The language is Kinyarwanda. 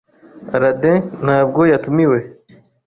Aladdin ntabwo yatumiwe